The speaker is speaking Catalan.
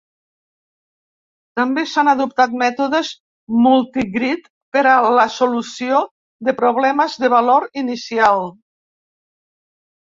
També s'han adoptat mètodes multigrid per a la solució de problemes de valor inicial.